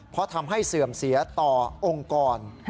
เพราะทำให้เสื่อมเสียต่อองค์กร